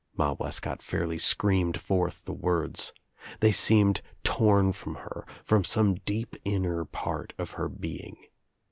Ma Wescott fairly screamed forth the words. They seemed torn from her, from some deep inner part of her being.